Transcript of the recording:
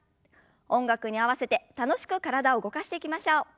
音楽に合わせて楽しく体を動かしていきましょう。